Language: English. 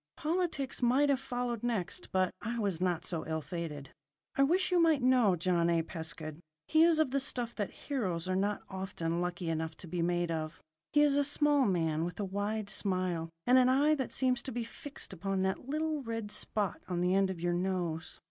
Politics might have followed next; but I was not so ill fated. I wish you might know John A. Pescud. He is of the stuff that heroes are not often lucky enough to be made of. He is a small man with a wide smile, and an eye that seems to be fixed upon that little red spot on the end of your nose.